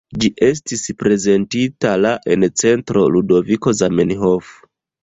Ĝi estis prezentita la en Centro Ludoviko Zamenhof.